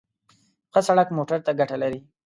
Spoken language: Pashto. ښه سړک موټر ته ګټه لري.